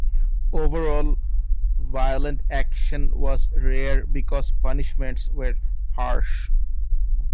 Overall, violent action was rare because punishments were harsh.